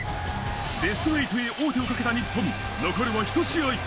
ベスト８へ王手をかけた日本、残るは１試合。